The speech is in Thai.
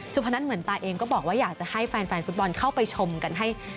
พนัทเหมือนตาเองก็บอกว่าอยากจะให้แฟนฟุตบอลเข้าไปชมกันให้